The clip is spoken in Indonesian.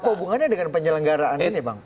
apa hubungannya dengan penyelenggaraan ini bang